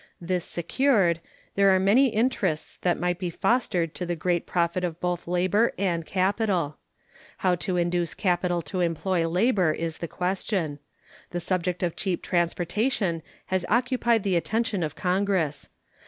This secured, there are many interests that might be fostered to the great profit of both labor and capital. How to induce capital to employ labor is the question. The subject of cheap transportation has occupied the attention of Congress.